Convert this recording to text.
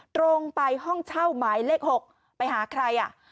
ตรงไปห้องเช่าหมายเลข๖ไปหาใครอ่ะ